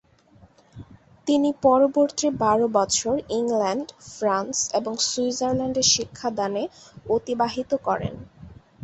তিনি পরবর্তি বার বছর ইংল্যান্ড, ফ্রান্স এবং সুইজারল্যান্ড এ শিক্ষাদান এ অতিবাহিত করেন।